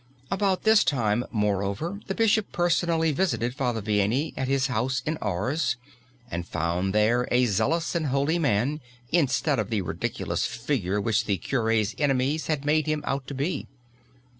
About this time, moreover, the bishop personally visited Father Vianney at his house in Ars, and found there a zealous and holy man, instead of the ridiculous figure which the cure's enemies had made him out to be.